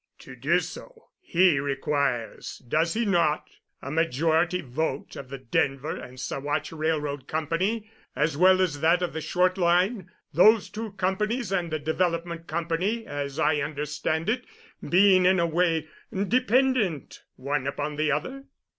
"To do so he requires, does he not, a majority vote of the Denver and Saguache Railroad Company as well as that of the Short Line—those two companies and the Development Company, as I understand it, being in a way dependent one upon the other?"